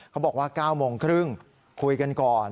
เขาบอกว่า๙โมงครึ่งคุยกันก่อน